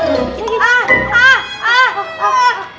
aduh aduh aduh aduh